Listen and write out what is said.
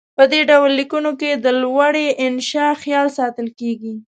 په دې ډول لیکنو کې د لوړې انشاء خیال ساتل کیږي.